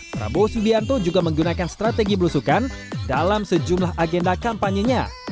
prabowo subianto juga menggunakan strategi belusukan dalam sejumlah agenda kampanyenya